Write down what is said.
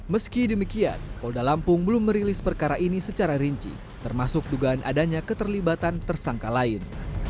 meski demikian polda lampung belum merilis perkara ini secara rinci termasuk dugaan adanya keterlibatan tersangka lain